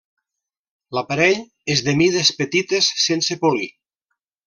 L'aparell és de mides petites, sense polir.